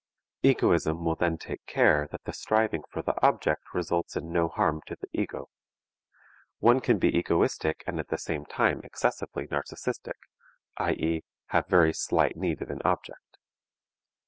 Egoism will then take care that the striving for the object results in no harm to the ego. One can be egoistic and at the same time excessively narcistic, i.e., have very slight need of an object.